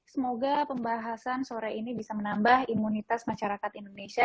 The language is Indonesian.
semoga pembahasan sore ini bisa menambah imunitas masyarakat indonesia